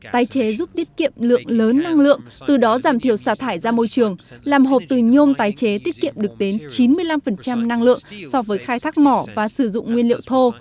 tái chế giúp tiết kiệm lượng lớn năng lượng từ đó giảm thiểu xả thải ra môi trường làm hộp từ nhôm tái chế tiết kiệm được đến chín mươi năm năng lượng so với khai thác mỏ và sử dụng nguyên liệu thô